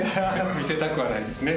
見せたくはないですね。